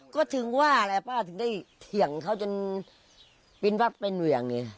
ก็ถึงว่าแหละป้าถึงได้เถียงเขาจนปินวัดเป็นเหวี่ยงเนี่ย